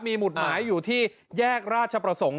มีหมุดหมายอยู่ที่แยกราชประสงค์